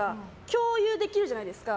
共有できるじゃないですか。